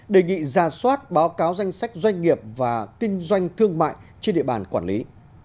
đề nghị ra soát báo cáo danh sách doanh nghiệp và kinh doanh thương mại trên địa bàn quản lý